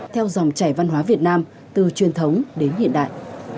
theo dòng chảy văn hóa việt nam từ truyền thống đến hiện đại